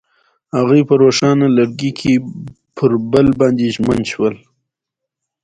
هغوی په روښانه لرګی کې پر بل باندې ژمن شول.